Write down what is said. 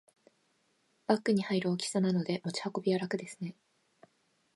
バッグに入る大きさなので持ち運びは楽ですね